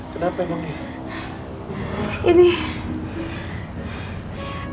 kenapa emang ya